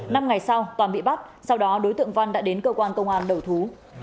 năm ngày sau toàn bị bắt sau đó đối tượng văn đã đến cơ quan công an đầu thú